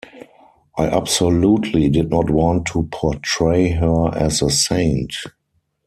I absolutely did not want to portray her as a saint.